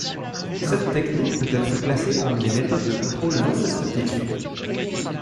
Cette technique peut être classée parmi les méthodes de contrôle non destructif.